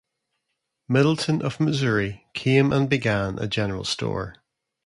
Middleton of Missouri came and began a general store.